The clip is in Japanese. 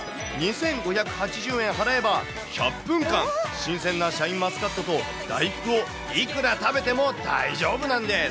２５８０円払えば、１００分間、新鮮なシャインマスカットと大福をいくら食べても大丈夫なんです。